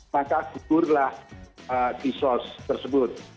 maka gugurlah kisos tersebut